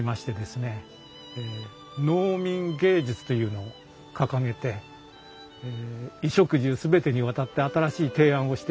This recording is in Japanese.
農民藝術というのを掲げて衣食住全てにわたって新しい提案をしていくわけです。